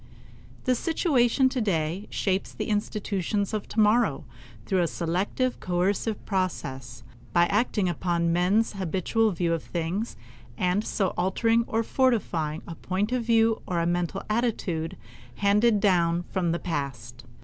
The situation of today shapes the institutions of tomorrow through a selective, coercive process, by acting upon men's habitual view of things, and so altering or fortifying a point of view or a mental attitude handed down from the past.